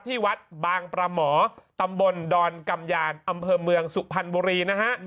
ที่วัดบางประหมอตำบลดอนกำยานอำเภอเมืองสุพรรณบุรีนะฮะ